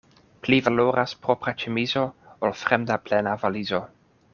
Pli valoras propra ĉemizo, ol fremda plena valizo.